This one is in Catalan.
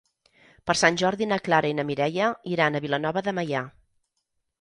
Per Sant Jordi na Clara i na Mireia iran a Vilanova de Meià.